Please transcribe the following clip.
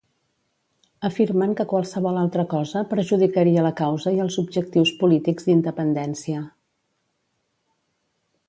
Afirmen que qualsevol altra cosa perjudicaria la causa i els objectius polítics d'independència.